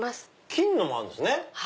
金のもあるんですね。